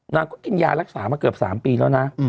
นางก็กินยารักษามาเกือบ๓ปีแล้วนะ